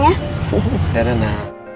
ya udah nanda